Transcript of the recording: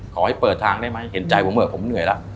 ขอให้เปิดทางได้ไหมเห็นใจว่าเมื่อผมเหนื่อยละ